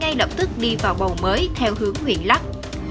ngay lập tức đi vào bầu mới theo hướng huyện lắc